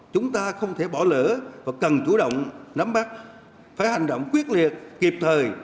chúng ta không thể bỏ lỡ và cần chủ động nắm bắt phải hành động quyết liệt kịp thời